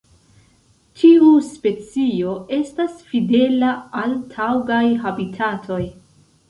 Tiu specio estas fidela al taŭgaj habitatoj.